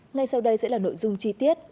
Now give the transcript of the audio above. ngay sau đây sẽ là nội dung chi tiết